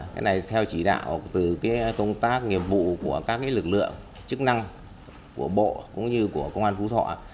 cái này theo chỉ đạo từ công tác nghiệp vụ của các lực lượng chức năng của bộ cũng như của công an phú thọ